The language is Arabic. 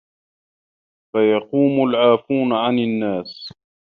فَيَقُومُ الْعَافُونَ عَنْ النَّاسِ